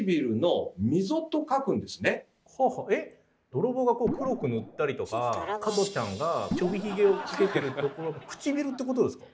泥棒がこう黒く塗ったりとか加トちゃんがちょびヒゲをつけてるところくちびるってことですか？